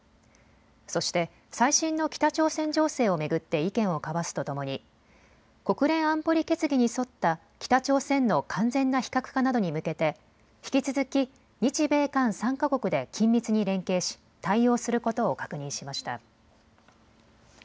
そして最新の北朝鮮情勢を巡って意見を交わすとともに、国連安保理決議に沿った北朝鮮の完全な非核化などに向けて引き続き日米韓３か国で緊密に連携し対応することを確認しました。